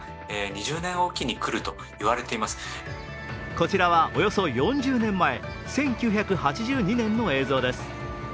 こちらは、およそ４０年前、１９８２年の映像です。